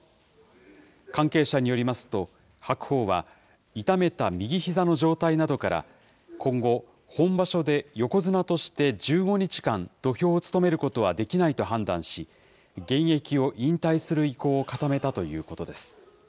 関係者によりますと、白鵬は、痛めた右ひざの状態などから今後、本場所で横綱として１５日間、土俵を務めることはできないと判断し、現役を引退する意向を固めたということです。